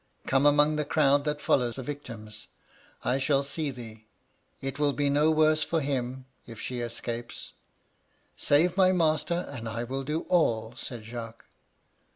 Come among the crowd that follow the victims, — I shall see thee. It will be no worse for him, if she escapes '"* Save my master, and I will do all,' said Jacques.